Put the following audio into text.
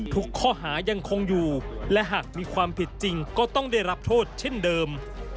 ข้อหายังคงอยู่และหากมีความผิดจริงก็ต้องได้รับโทษเช่นเดิม